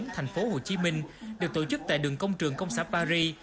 tp hcm được tổ chức tại đường công trường công xã paris